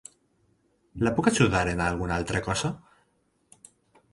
La puc ajudar en alguna altra cosa?